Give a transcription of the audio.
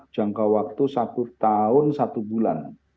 jangka waktu satu tahun satu bulan